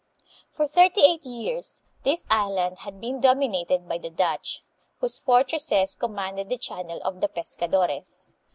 For thirty eight years this island had been dominated by the Dutch, whose fortresses commanded the channel of the Pescadores.